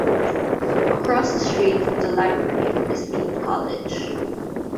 Across the street from the library is Dean College.